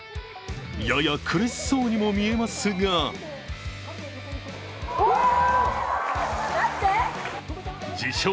やや苦しそうにも見えますが自称